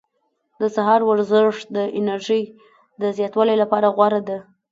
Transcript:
د سهار ورزش د انرژۍ د زیاتوالي لپاره غوره ده.